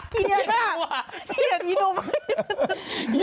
เกลียดมากเกลียดอีโน่ไหม